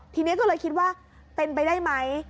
ทีนี้ก็เลยคิดว่าเป็นไปได้ไหม